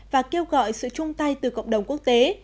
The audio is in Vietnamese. và kêu gọi sự chung tay từ cộng đồng quốc tế